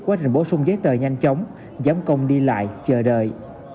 quá trình bổ sung giấy tờ nhanh chóng giám công đi lại chờ đợi